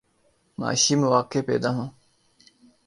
معاشی مواقع پیدا ہوں۔